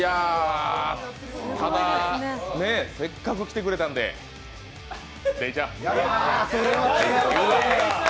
ただ、せっかく来てくれたので、出井ちゃん。